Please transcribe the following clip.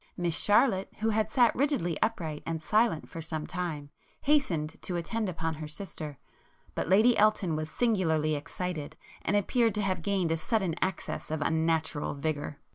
Miss Charlotte, who had sat rigidly upright and silent for some time, hastened to attend upon her sister, but Lady Elton was singularly excited, and appeared to have gained a sudden access of unnatural vigour.